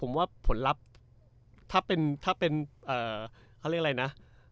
ผมว่าผลลัพธ์ถ้าเป็นเขาเรียกอะไรนะ